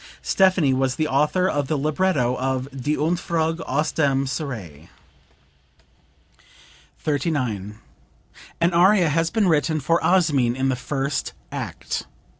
Stephanie was the author of the libretto of "Die Entfuhrung aus dem Serail.") 39. "An aria has been written for Osmin in the first act....